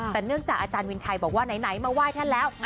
แต่เนื่องจากอาจารย์วินไทยบอกว่าไหนมาไหว้ท่านแล้ว